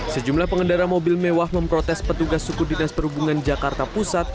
sejumlah pengendara mobil mewah memprotes petugas suku dinas perhubungan jakarta pusat